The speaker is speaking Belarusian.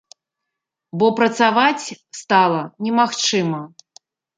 Бо працаваць стала немагчыма.